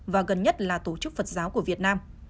và gần nhất là tổ chức phật giáo của việt nam